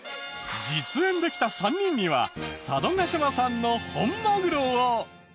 実演できた３人には佐渡島産の本マグロを。